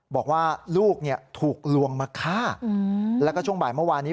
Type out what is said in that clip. บอกว่าลูกถูกลวงมาฆ่าแล้วก็ช่วงบ่ายเมื่อวานนี้